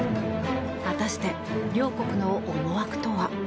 果たして、両国の思惑とは？